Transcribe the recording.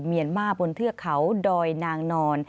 เมียนมาบนเทือกเขาดอยนางนอน